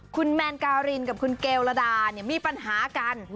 คุณแมนการินกับคุณโกรดามีปัญหากัน